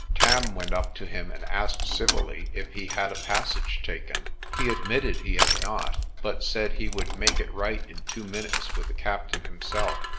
Tarn went up to him and asked civilly if he had a passage taken. He admitted he had not, but said he would make it right in two minutes with the captain himself.